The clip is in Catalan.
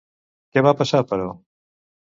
Què va passar però?